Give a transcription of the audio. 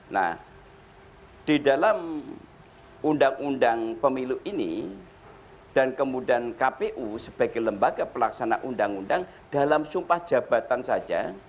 nah di dalam undang undang pemilu ini dan kemudian kpu sebagai lembaga pelaksana undang undang dalam sumpah jabatan saja